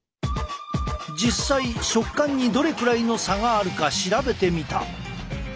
実際食感にどれくらいの差があるか調べてみた。